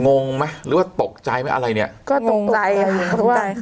งงไหมหรือว่าตกใจไหมอะไรเนี้ยก็ตกใจฮะ